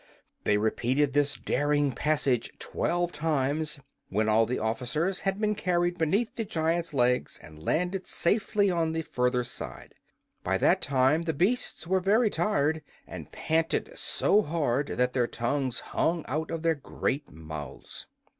They repeated this daring passage twelve times, when all the officers had been carried beneath the giant's legs and landed safely on the further side. By that time the beasts were very tired, and panted so hard that their tongues hung out of their great mouths.